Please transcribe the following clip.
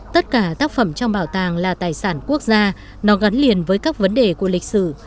tất cả tác phẩm trong bảo tàng là tài sản quốc gia nó gắn liền với các vấn đề của lịch sử